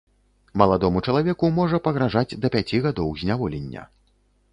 Маладому чалавеку можа пагражаць да пяці гадоў зняволення.